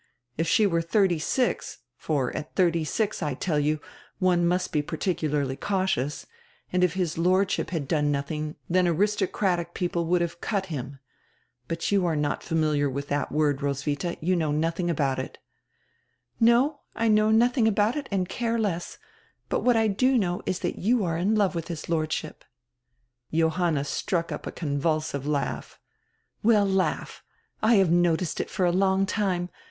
If she were diirty six, for at thirty six, I tell you, one must be particularly cau tious, and if his Lordship had done nothing, then aristo cratic people would have 'cut' him. But you are not familiar widi diat word, Roswidia, you know nodiing about it." "No, I know nodiing about it and care less, but what I do know is diat you are in love widi his Lordship." Johanna struck up a convulsive laugh. "Well, laugh. I have noticed it for a long time.